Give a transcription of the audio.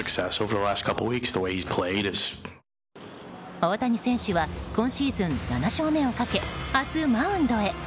大谷選手は今シーズン７勝目をかけ明日、マウンドへ。